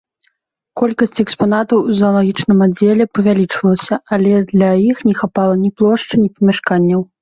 Колькасць экспанатаў у заалагічным аддзеле павялічвалася, для іх не хапала ні плошчы, ні памяшканняў.